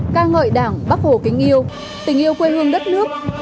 ca ngợi đảng bác hồ kính yêu tình yêu quê hương đất nước